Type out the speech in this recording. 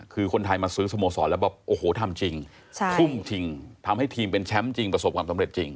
คือคนไทยมาซื้อสโมสรแล้วแบบโอ้โหทำจริงทุ่มจริงทำให้ทีมเป็นแชมป์จริงประสบความสำเร็จจริง